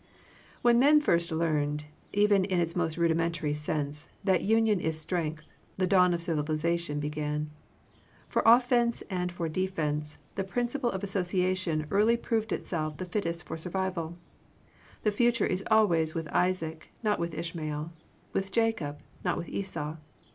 When men first learned, even in its most rudimentary sense, that union is strength, the dawn of civilization began. For offence and for defence, the princi ple of association early proved itself the fittest for survival. The future is al ways with Isaac, not with Ishmael — with Jacob, not with Esau.